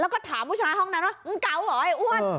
แล้วก็ถามผู้ชายห้องนั้นว่ามึงเกาเหรอไอ้อ้วน